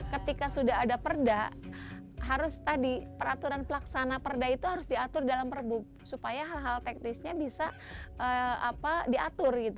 ketika sudah ada perda harus tadi peraturan pelaksana perda itu harus diatur dalam perbu supaya hal hal teknisnya bisa diatur gitu